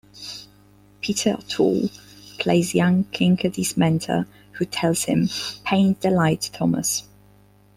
Peter O'Toole plays young Kinkade's mentor, who tells him, Paint the light, Thomas!